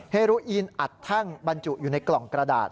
เรอีนอัดแท่งบรรจุอยู่ในกล่องกระดาษ